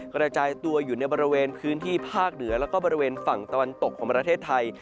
กระจายตัวอยู่ในบริเวณพื้นที่ภาคเหนือแล้วก็บริเวณฝั่งตะวันตกของประเทศไทย